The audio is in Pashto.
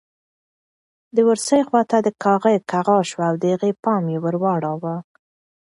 د اورسۍ خواته د کاغۍ کغا شوه او د هغې پام یې ور واړاوه.